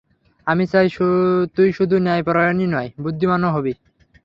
আমি চাই, তুই শুধু ন্যায়পরায়ণই নয়, বুদ্ধিমানও হবি।